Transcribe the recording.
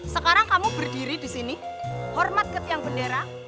sekarang kamu berdiri disini hormat ke tiang bendera